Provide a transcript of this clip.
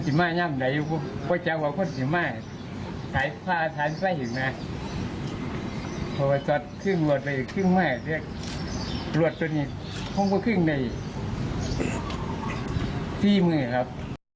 พี่มือครับ